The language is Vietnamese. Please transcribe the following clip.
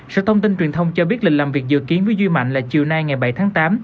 sở thông tin truyền thông cho biết lịch làm việc dự kiến với duy mạnh là chiều nay ngày bảy tháng tám